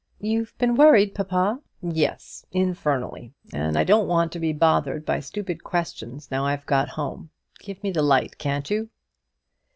"You've been worried, papa?" "Yes; infernally. And I don't want to be bothered by stupid questions now I've got home. Give me the light, can't you?"